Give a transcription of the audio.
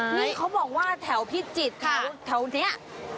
นี่เขาบอกว่าแถวพิจิตรเขาแถวนี้